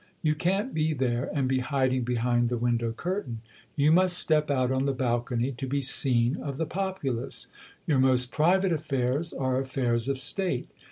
You can't be there and be hiding behind the window curtain : you must step out on the balcony to be seen of the populace. Your most private affairs are affairs of state.